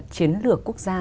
chiến lược quốc gia